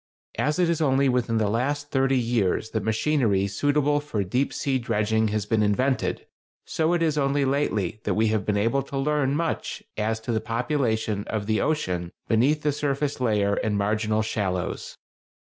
As it is only within the last thirty years that machinery suitable for deep sea dredging has been invented, so it is only lately that we have been able to learn much as to the population of the ocean beneath the surface layer and marginal shallows.